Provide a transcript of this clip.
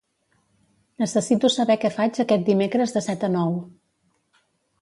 Necessito saber què faig aquest dimecres de set a nou.